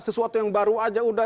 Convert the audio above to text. sesuatu yang baru aja udah